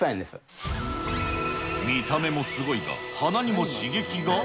見た目もすごいが、鼻にも刺激が？